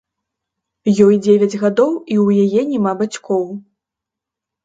Ёй дзевяць гадоў і ў яе няма бацькоў.